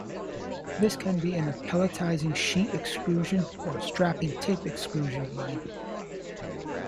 This can be in a pelletizing, sheet extrusion or strapping tape extrusion line.